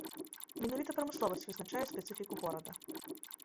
Менавіта прамысловасць вызначае спецыфіку горада.